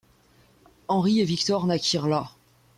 Henri et Victor naquirent là.